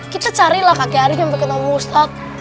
kita carilah kakek arief sampai ketemu ustadz